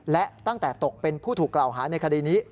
และตั้งแต่ตกเป็นผู้ถูกกล่าวหาในคดีนี้